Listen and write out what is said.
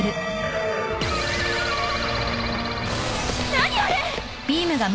何あれ！？